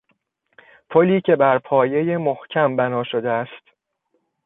پلی که بر پایه محکم بنا شده است